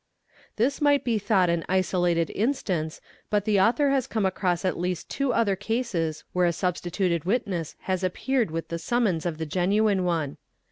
This might be thought an isolated instance but the author has come ~ across at least two other cases where a substituted witness has appeare with the summons of the genuine one.